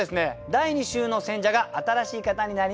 第２週の選者が新しい方になります。